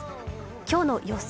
今日の予想